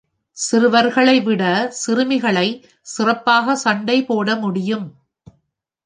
சிறுவர்களை விட சிறுமிகளை சிறப்பாக சண்டை போட முடியும்!